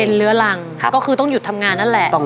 เป็นเรื้อรังก็คือต้องหยุดทำงานนั่นแหละ